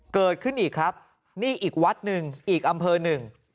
เกิดขึ้นอีกครับนี่อีกวัดหนึ่งอีกอำเภอหนึ่ง